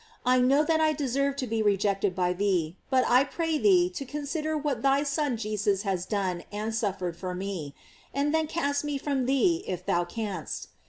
I know that I deserve to be rejected by thee, but I pray thee to consider what thy son Jesus has done and suffered for me; and then cast me from thee if thou canst.